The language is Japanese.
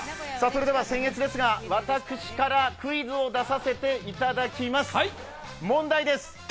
それではせん越ですが、私からクイズを出させていただきます。